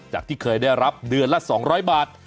ที่เคยได้รับเดือนละ๒๐๐บาท